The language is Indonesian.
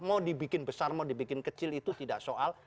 mau dibikin besar mau dibikin kecil itu tidak soal